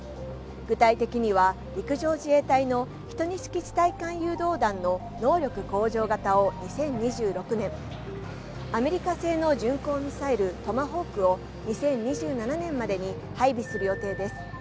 具体的には、陸上自衛隊の１２式地対艦誘導弾の能力向上型を２０２６年、アメリカ製の巡航ミサイル、トマホークを２０２７年までに配備する予定です。